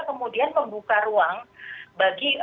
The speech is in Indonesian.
kemudian membuka ruang bagi